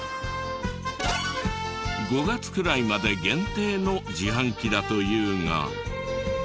５月くらいまで限定の自販機だというが。